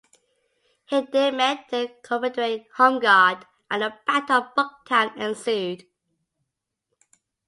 Here they met the Confederate Home Guard and the Battle of Bucktown ensued.